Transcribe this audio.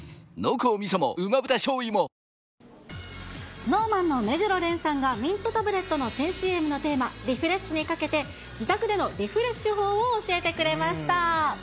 ＳｎｏｗＭａｎの目黒蓮さんが、ミントタブレットの新ＣＭのテーマ、リフレッシュにかけて、自宅でのリフレッシュ法を教えてくれました。